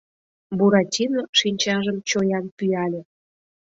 Буратино шинчажым чоян пӱяле.